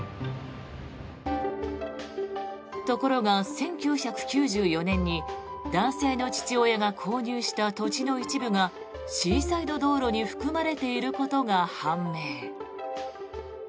ところが、１９９４年に男性の父親が購入した土地の一部がシーサイド道路に含まれていることが判明。